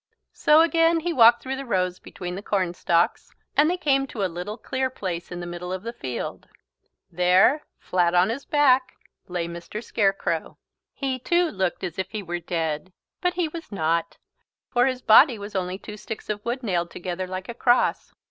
So again he walked through the rows between the cornstalks and they came to a little clear place in the middle of the field. There, flat on his back, lay Mr. Scarecrow. He too looked as if he were dead. But he was not. For his body was only two sticks of wood nailed together like a cross.